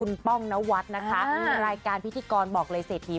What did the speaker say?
คุณป้องนวัดนะคะรายการพิธีกรบอกเลยเศรษฐี